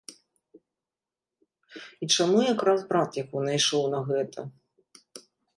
І чаму якраз брат яго найшоў на гэта?